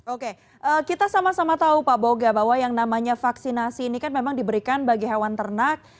oke kita sama sama tahu pak boga bahwa yang namanya vaksinasi ini kan memang diberikan bagi hewan ternak